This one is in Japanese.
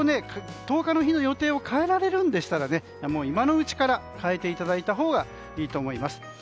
１０日の予定を変えられるんでしたら今のうちから変えていただいたほうがいいと思います。